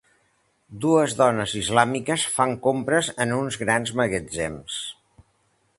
Dues dones islàmiques fan compres en uns grans magatzems.